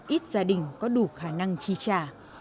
ít gia đình có đủ khả năng chi trả